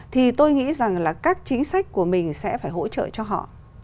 thì tôi nghĩ rằng là các chính sách của mình sẽ phải hỗ trợ cho họ